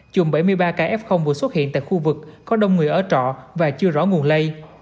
chùng bảy mươi ba ca f vừa xuất hiện tại khu vực có đông người ở trọ và chưa rõ nguồn lây